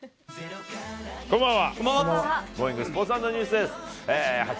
こんばんは。